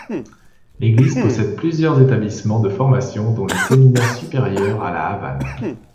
L'église possède plusieurs établissements de formation, dont le séminaire supérieur à La Havane.